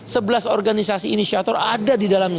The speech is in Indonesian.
sebelas organisasi inisiator ada di dalamnya